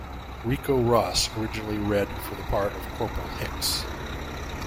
Ricco Ross originally read for the part of Corporal Hicks.